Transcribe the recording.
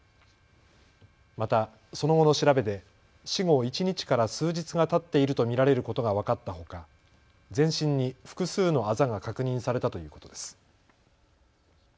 また、その後の調べで死後１日から数日がたっていると見られることが分かったほか、全身に複数のあざが確認されたということです。